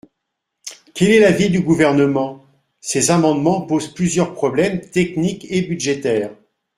Quel est l’avis du Gouvernement ? Ces amendements posent plusieurs problèmes, techniques et budgétaires.